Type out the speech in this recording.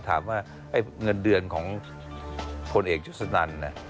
ถามว่าเงินเดือนของผลเอกชุดสนัน